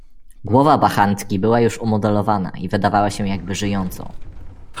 "Głowa bachantki była już umodelowana i wydawała się jakby żyjącą."